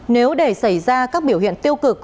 nếu để xảy ra các biểu hiện tiêu cực